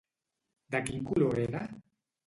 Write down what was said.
De quin color era?